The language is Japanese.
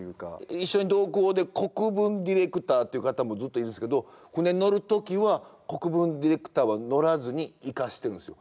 一緒に同行で国分ディレクターって方もずっといるんですけど船に乗る時は国分ディレクターは乗らずに行かせてるんですよ。